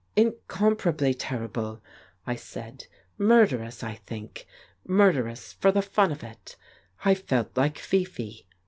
"Incomparably terrible," I said. "Murderous, I think : murderous for the fun of it. I felt like Fifi."